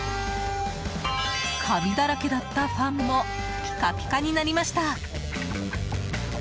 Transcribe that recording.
カビだらけだったファンもピカピカになりました。